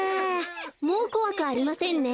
もうこわくありませんね。